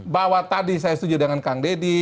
bahwa tadi saya setuju dengan kang deddy